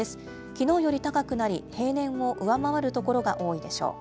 きのうより高くなり、平年を上回る所が多いでしょう。